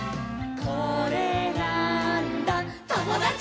「これなーんだ『ともだち！』」